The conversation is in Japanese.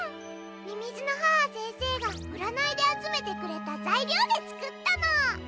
みみずの母先生がうらないであつめてくれたざいりょうでつくったの。